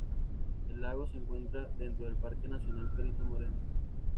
El lago se encuentra dentro del Parque Nacional Perito Moreno.